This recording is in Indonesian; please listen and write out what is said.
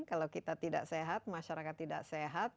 kalau kita tidak sehat masyarakat tidak sehat